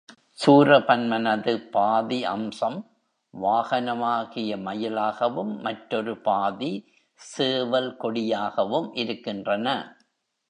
சூரபன்மனது பாதி அம்சம் வாகனமாகிய மயிலாகவும், மற்றொரு பாதி சேவல் கொடியாகவும் இருக்கின்றன.